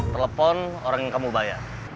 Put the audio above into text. telepon orang yang kamu bayar